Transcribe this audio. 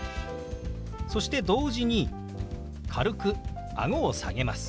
そして同時に軽くあごを下げます。